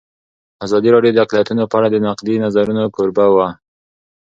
ازادي راډیو د اقلیتونه په اړه د نقدي نظرونو کوربه وه.